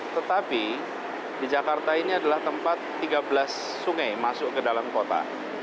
tetapi di jakarta ini adalah tempat tiga belas sungai masuk ke dalam kota